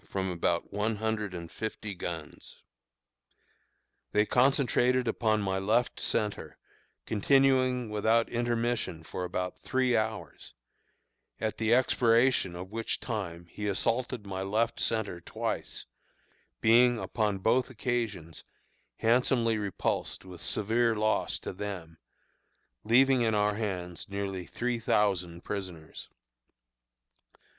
from about one hundred and fifty guns. They concentrated upon my left centre, continuing without intermission for about three hours, at the expiration of which time he assaulted my left centre twice, being, upon both occasions, handsomely repulsed with severe loss to them, leaving in our hands nearly three thousand prisoners.